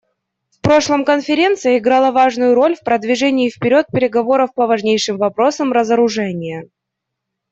В прошлом Конференция играла важную роль в продвижении вперед переговоров по важнейшим вопросам разоружения.